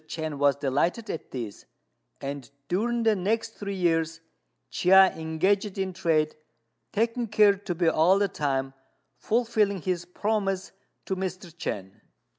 Chên was delighted at this; and during the next three years Chia engaged in trade, taking care to be all the time fulfilling his promise to Mr. Chên.